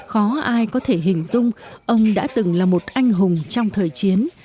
khó ai có thể hình dung ông đã từng là một anh hùng trong thời chiến